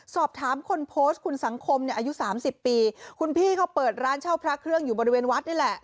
สอบถามคนโพสต์คุณสังคมเนี่ยอายุสามสิบปีคุณพี่เขาเปิดร้านเช่าพระเครื่องอยู่บริเวณวัดนี่แหละ